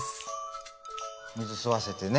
水吸わせてね